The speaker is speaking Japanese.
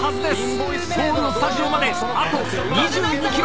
ゴールのスタジオまであと２２ｋｍ。